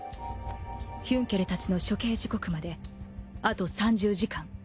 ヒュンケルたちの処刑時刻まであと３０時間。